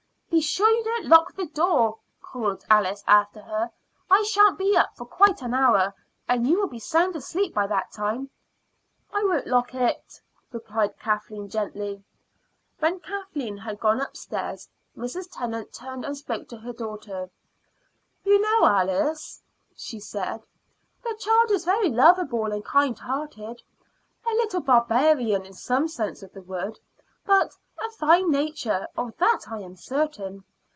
"Be sure you don't lock the door," called Alice after her. "I sha'n't be up for quite an hour, and you will be sound asleep by that time." "I won't lock it," replied Kathleen gently. When Kathleen had gone upstairs, Mrs. Tennant turned and spoke to her daughter. "You know, Alice," she said, "the child is very lovable and kind hearted a little barbarian in some senses of the word, but a fine nature of that I am certain."